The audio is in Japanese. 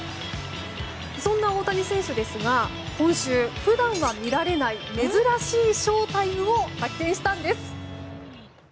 そんな大谷選手ですが今週、普段は見られない珍しいショータイムを発見したんです。